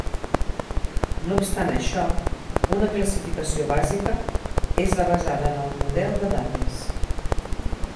No obstant això, una classificació bàsica és la basada en el model de dades.